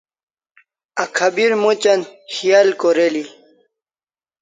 Akhabir mochan khial koreli